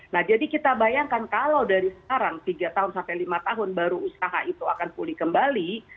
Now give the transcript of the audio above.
nah jadi kita bayangkan kalau dari sekarang tiga tahun sampai lima tahun baru usaha itu akan pulih kembali